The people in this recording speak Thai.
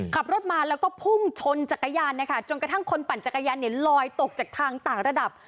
ขับรถมาแล้วก็พุ่งชนจักรยานนะคะจนกระทั่งคนปั่นจักรยานเนี่ยลอยตกจากทางต่างระดับ